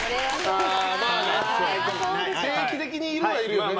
定期的にいるはいるよね。